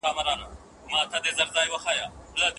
زه به د هري شوني ماتي مسؤولیت په خپله غاړه واخلم.